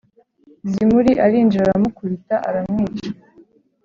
Zimuri arinjira aramukubita aramwica